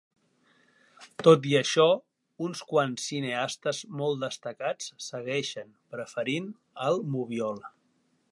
Tot i això, uns quants cineastes molt destacats segueixen preferint el Moviola.